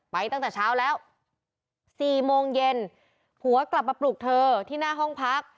ตั้งแต่เช้าแล้ว๔โมงเย็นผัวกลับมาปลุกเธอที่หน้าห้องพัก